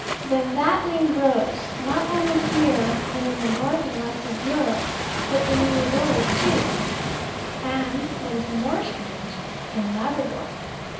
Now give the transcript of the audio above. Then that ling grows, not only here and in the north and west of Europe, but in the Azores too; and, what is more strange, in Labrador.